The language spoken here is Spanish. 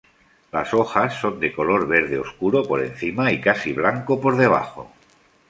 Las hojas son de color verde oscuro por encima y casi blanco por debajo.